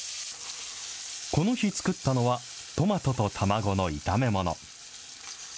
この日作ったのは、トマトと卵の炒め物。